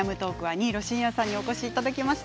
新納慎也さんにお越しいただきました。